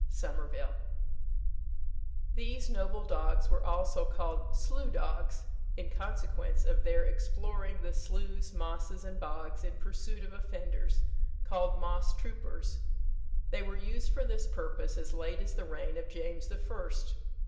SOMERVILLE. These noble dogs were also called "Slough dogs," in consequence of their exploring the sloughs, mosses, and bogs, in pursuit of offenders, called Moss troopers. They were used for this purpose as late as the reign of James the First.